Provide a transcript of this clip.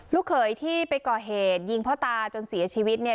เขยที่ไปก่อเหตุยิงพ่อตาจนเสียชีวิตเนี่ย